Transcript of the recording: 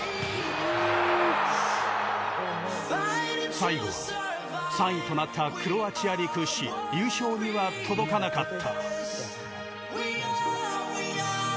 最後は３位となったクロアチアに屈し優勝には届かなかった。